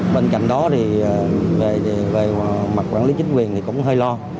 bên cạnh đó thì về mặt quản lý chính quyền thì cũng hơi lo